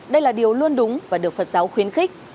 đây là điều luôn đúng và được phật giáo khuyến khích